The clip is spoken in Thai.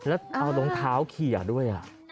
แล้วเอารองเท้าเขียด้วย